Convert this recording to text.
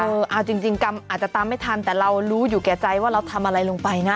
เอาจริงกรรมอาจจะตามไม่ทันแต่เรารู้อยู่แก่ใจว่าเราทำอะไรลงไปนะ